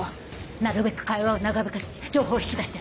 なるべく会話を長引かせて情報を引き出して。